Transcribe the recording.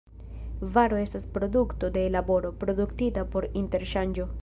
Varo estas produkto de laboro, produktita por interŝanĝo.